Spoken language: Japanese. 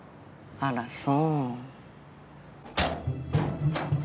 あらそう。